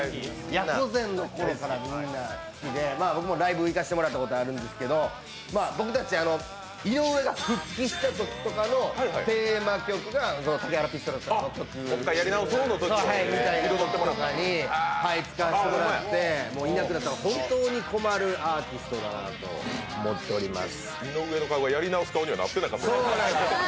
野狐禅のころからみんな好きで僕もライブ行かせてもらったことあるんですけど、僕たち、井上が復帰したときとかのテーマ曲が竹原ピストルさんの曲を使わせてもらって、いなくなったら本当に困るアーティストだなと思います。